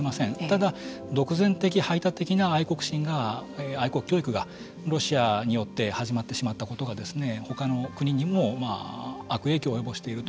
ただ独善的排他的な愛国心が愛国教育がロシアによって始まってしまったことがほかの国にも悪影響を及ぼしていると。